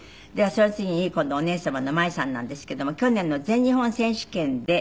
その次に今度お姉様の舞さんなんですけども去年の全日本選手権で。